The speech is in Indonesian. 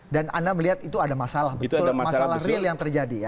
dan anda melihat itu ada masalah betul masalah real yang terjadi ya